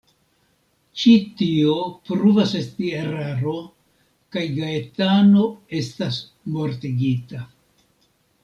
Ĉi tio pruvas esti eraro, kaj Gaetano estas mortigita.